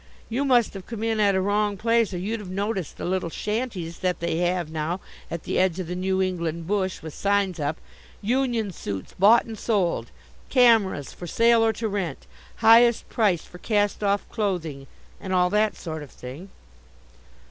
You must have come in at a wrong place or you'd have noticed the little shanties that they have now at the edge of the New England bush with signs up: UNION SUITS BOUGHT AND SOLD, CAMERAS FOR SALE OR TO RENT, HIGHEST PRICE FOR CAST OFF CLOTHING, and all that sort of thing."